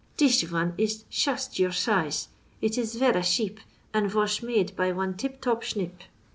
Dish von is shust your shise; it is verra sheep, and vosh made by one tip top shnip."